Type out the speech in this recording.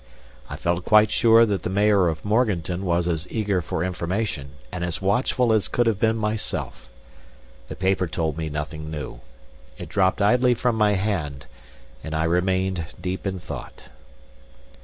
I felt quite sure that the mayor of Morganton was as eager for information and as watchful as could have been myself. The paper told me nothing new. It dropped idly from my hand; and I remained deep in thought.